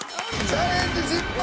チャレンジ失敗！